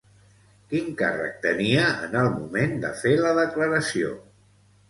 Quin càrrec tenia en el moment de fer la declaració?